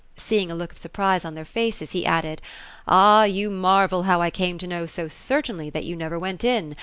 Seeing a look of surprise on their faces, he added :—^* Ah, you mar vel how I came to know so certainly that you never went in.